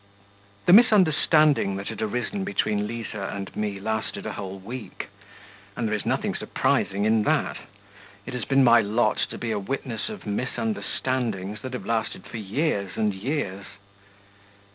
The misunderstanding that had arisen between Liza and me lasted a whole week and there is nothing surprising in that: it has been my lot to be a witness of misunderstandings that have lasted for years and years.